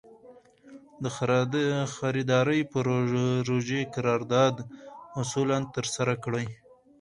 د خریدارۍ پروژې قرارداد اصولاً ترسره کړي.